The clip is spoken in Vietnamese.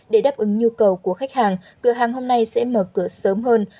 để đáp ứng nhu cầu của khách hàng cửa hàng hôm nay sẽ mở cửa sớm hơn